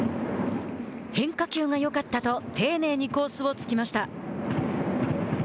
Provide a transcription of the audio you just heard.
変化球がよかったと丁寧にコースを突きました。